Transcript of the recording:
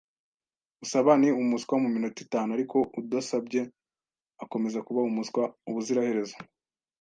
Usaba ni umuswa muminota itanu, ariko udasabye akomeza kuba umuswa ubuziraherezo.